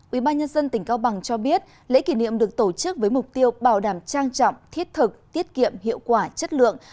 ubnd tỉnh cao bằng cho biết lễ kỷ niệm được tổ chức với mục tiêu bảo đảm trang trọng thiết thực tiết kiệm hiệu quả chất lượng